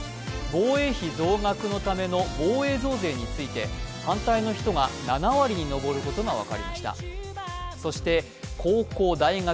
防衛費増額のための防衛増税について反対の人が７割に上ることが分かりました。